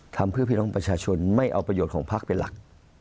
ทำเพื่อพี่น้องประชาชนไม่เอาประโยชน์ของพักเป็นหลัก